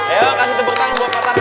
ayo kasih tepuk tangan buat pak tarno